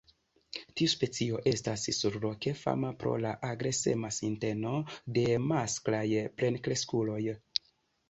Tiu specio estas surloke fama pro la agresema sinteno de masklaj plenkreskuloj.